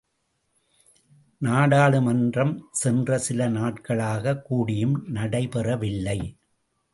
நாடாளுமன்றம் சென்ற சில நாள்களாகக் கூடியும் நடைபெறவில்லை!